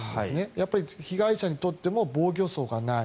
やっぱり被害者にとっても防御創がない。